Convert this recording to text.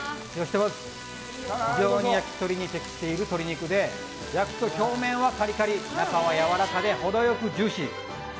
非常に焼き鳥に適している鶏肉で焼くと表面はカリカリ中はやわらかで程良くジューシー。